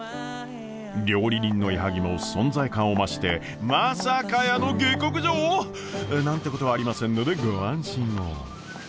料理人の矢作も存在感を増してまさかやーの下克上！？なんてことはありませんのでご安心を。